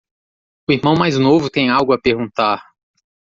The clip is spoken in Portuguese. O irmão mais novo tem algo a perguntar.